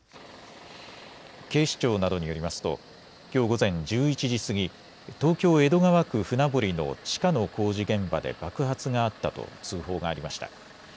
警視庁などによりますときょう午前１１時過ぎ、東京江戸川区船堀の地下の工事現場で爆発があったと通報がありました。